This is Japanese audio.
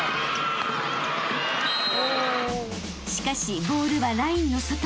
［しかしボールはラインの外］